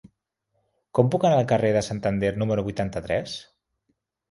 Com puc anar al carrer de Santander número vuitanta-tres?